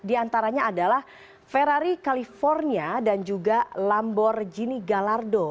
diantaranya adalah ferrari california dan juga lamborghini gallardo